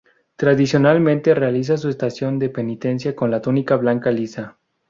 Tradicionalmente realiza su estación de penitencia con la túnica blanca lisa.